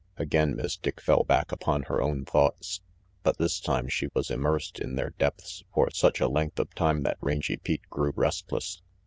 Again Miss Dick fell back upon her own thoughts, but this time she was immersed in their depths for such a length of time that Rangy Pete grew restless.